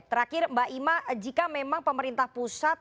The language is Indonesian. terakhir mbak ima jika memang pemerintah pusat